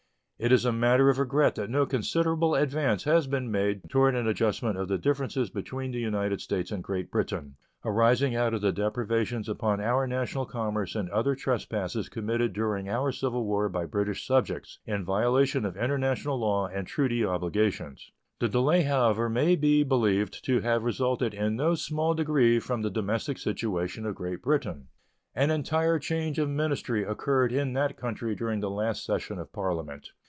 It is a matter of regret that no considerable advance has been made toward an adjustment of the differences between the United States and Great Britain arising out of the depredations upon our national commerce and other trespasses committed during our civil war by British subjects, in violation of international law and treaty obligations. The delay, however, may be believed to have resulted in no small degree from the domestic situation of Great Britain. An entire change of ministry occurred in that country during the last session of Parliament.